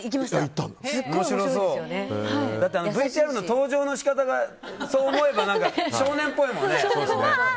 ＶＴＲの登場の仕方がそう思えば少年っぽいもんね。